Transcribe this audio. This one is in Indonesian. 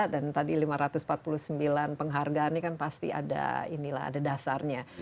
dan tadi lima ratus empat puluh sembilan penghargaan ini kan pasti ada ini lah ada dasarnya